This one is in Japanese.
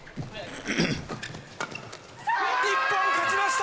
日本勝ちました。